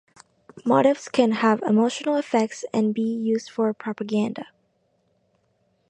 Motifs can have emotional effects and be used for propaganda.